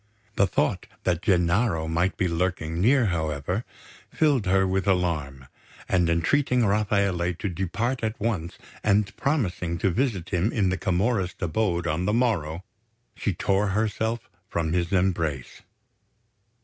The thought that Gennaro might be lurking near, however, filled her with alarm; and entreating Rafaele to depart at once and promising to visit him in the Camorrist abode on the morrow, she tore herself from his embrace.